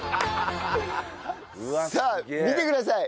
さあ見てください。